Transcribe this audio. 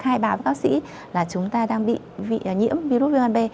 thay báo với bác sĩ là chúng ta đang bị nhiễm virus viêm gan b